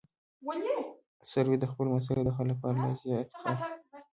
سروې د خپلو مسایلو د حل لپاره له ریاضیاتو کار اخلي